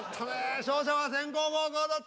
勝者は先攻後攻どっち？